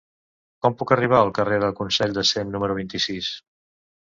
Com puc arribar al carrer del Consell de Cent número vint-i-sis?